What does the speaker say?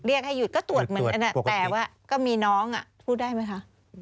เรียกให้หยุดก็ตรวจมันแต่ว่าก็มีน้องพูดได้ไหมคะ